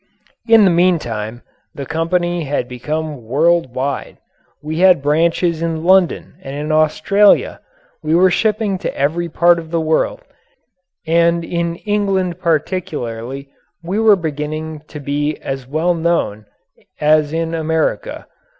In the meantime, the company had become world wide. We had branches in London and in Australia. We were shipping to every part of the world, and in England particularly we were beginning to be as well known as in America.